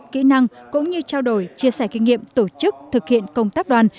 kỹ năng cũng như trao đổi chia sẻ kinh nghiệm tổ chức thực hiện công tác đoàn